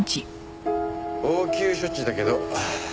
応急処置だけど。